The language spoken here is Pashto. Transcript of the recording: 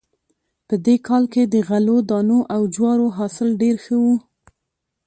په دې کال کې د غلو دانو او جوارو حاصل ډېر ښه و